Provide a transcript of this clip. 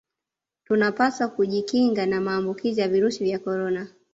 tunapaswa kujikinga na maambukizi ya virusi vya korona